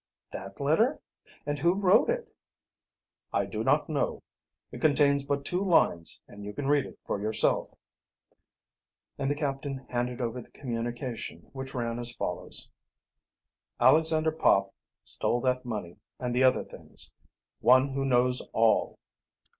"That letter? And who wrote it?" "I do not know. It contains but two lines, and you can read it for yourself," and the captain handed over the communication, which ran as follows: "Alexander Pop stole that money and the other things. ONE WHO KNOWS ALL."